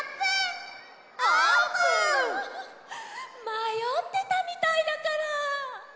まよってたみたいだから。